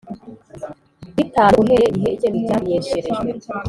N itanu uhereye igihe icyemezo cyamenyesherejwe